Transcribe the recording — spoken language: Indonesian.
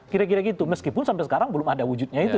kira kira gitu meskipun sampai sekarang belum ada wujudnya itu